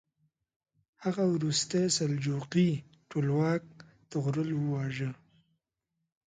هغه وروستی سلجوقي ټولواک طغرل وواژه.